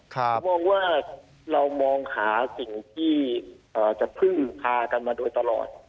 ผมมองว่าเรามองหาสิ่งที่จะพึ่งพากันมาโดยตลอด